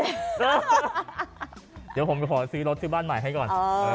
เดี๋ยวผมไปขอซื้อรถซื้อบ้านใหม่ให้ก่อน